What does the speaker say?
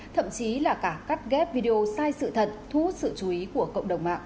thậm chí là cả cắt ghép video sai sự thật thú sợ